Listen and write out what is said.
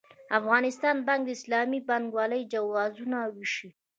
افغانستان بانک د اسلامي بانکوالۍ جوازونه وېشي.